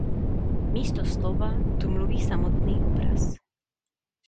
Místo slova tu mluví samotný obraz.